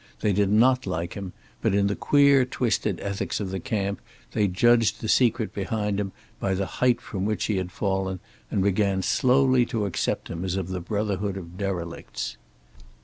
They did not like him, but in the queer twisted ethics of the camp they judged the secret behind him by the height from which he had fallen, and began slowly to accept him as of the brotherhood of derelicts.